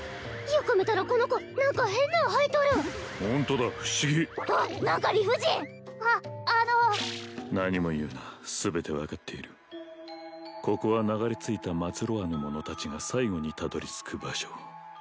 よく見たらこの子何か変なん生えとるホントだ不思議あっ何か理不尽ああの何も言うな全て分かっているここは流れ着いたまつろわぬ者達が最後にたどり着く場所